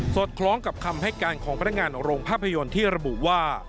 อดคล้องกับคำให้การของพนักงานโรงภาพยนตร์ที่ระบุว่า